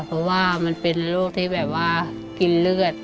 เพราะว่ามันเป็นโรคที่แบบว่ากินเลือด